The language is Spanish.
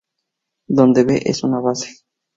Donde B es una base.